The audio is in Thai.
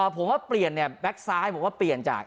ผมว่าเปลี่ยนเนี่ยแบ็คซ้ายผมว่าเปลี่ยนจาก